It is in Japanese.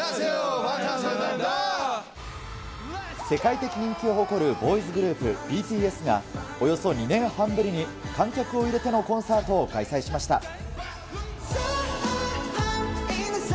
世界的人気を誇るボーイズグループ、ＢＴＳが、およそ２年半ぶりに観客を入れてのコンサートを開催しました。